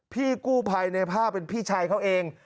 พี่กู้ภัยในภาพเป็นพี่ชายเขาเอง